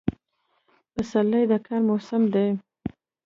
پسرلی د کار موسم دی.